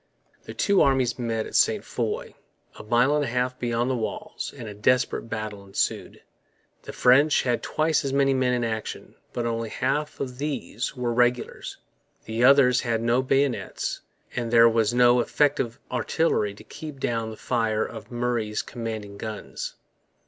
The two armies met at Ste Foy, a mile and a half beyond the walls; and a desperate battle ensued. The French had twice as many men in action, but only half of these were regulars; the others had no bayonets; and there was no effective artillery to keep down the fire of Murray's commanding guns.